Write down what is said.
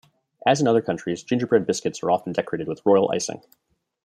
As in other countries, Gingerbread biscuits are often decorated with Royal icing.